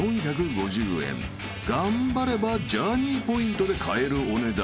［頑張ればジャーニーポイントで買えるお値段］